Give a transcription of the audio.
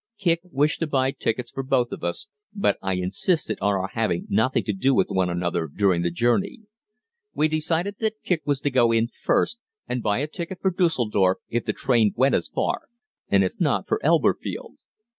Kicq wished to buy tickets for both of us, but I insisted on our having nothing to do with one another during the journey. We decided that Kicq was to go in first and buy a ticket for Düsseldorf if the train went as far, and if not, for Elberfeld.